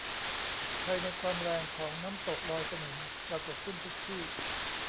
ภายในความแรงของน้ำตกรอยสนิมปรากฏขึ้นทุกที่